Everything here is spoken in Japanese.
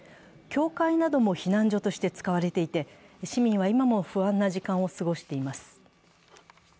教会なども避難所として使われていて、市民は今も不安な時間を過ごしています。